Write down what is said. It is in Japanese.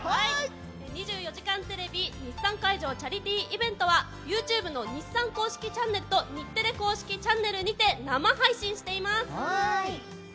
２４時間テレビ日産会場チャリティーイベントは、ユーチューブの日産公式チャンネルと日テレ公式チャンネルにて生配信しています。